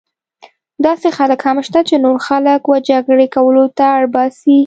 داسې خلک هم شته چې نور خلک وه جګړې کولو ته اړ باسي.